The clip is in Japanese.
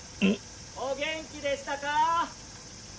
お元気でしたか？